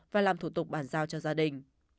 và làm thủ tục bản giao cho gia đình